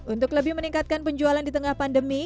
untuk lebih meningkatkan penjualan di tengah pandemi